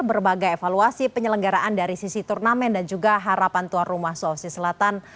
berbagai evaluasi penyelenggaraan dari sisi turnamen dan juga harapan tuan rumah sulawesi selatan